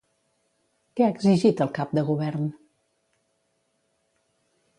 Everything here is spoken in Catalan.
Què ha exigit al cap de govern?